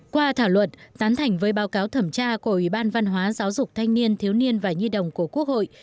qua thảo luận tán thành với báo cáo thẩm tra của ủy ban văn hóa giáo dục thanh niên thiếu niên và nhi đồng của quốc hội